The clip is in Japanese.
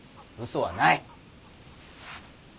うそはない。